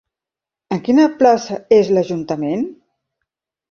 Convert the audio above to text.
En quina plaça és l'ajuntament?